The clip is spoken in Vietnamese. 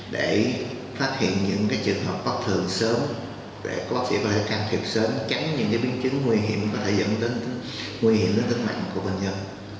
để phát hiện những trường hợp bất thường sớm để có thể can thiệp sớm tránh những biến chứng nguy hiểm có thể dẫn đến nguy hiểm đến tính mạng của bệnh nhân